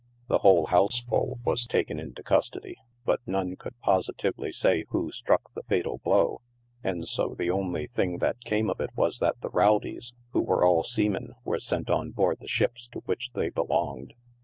The whole houseful was taken into custody, but none could positively say who struck the fatal blow, and so the only thing that came of it was that the rowdies, who were all seamen, were sent on board the ships to which they belonged."